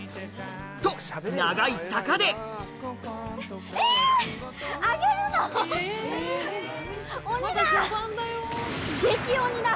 と長い坂で激鬼だ！